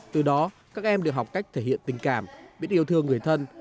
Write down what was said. từ đó các em được học cách thể hiện tình cảm biết yêu thương người thân